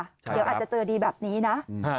เดี๋ยวอาจจะเจอดีแบบนี้นะ